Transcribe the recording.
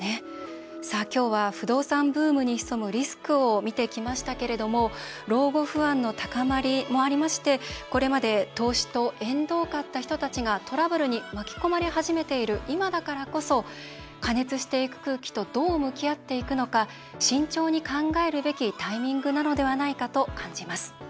今日は不動産ブームに潜むリスクを見てきましたけれども老後不安の高まりもありましてこれまで投資と縁遠かった人たちがトラブルに巻き込まれ始めている今だからこそ過熱していく空気とどう向き合っていくのか慎重に考えるべきタイミングなのではないかと感じます。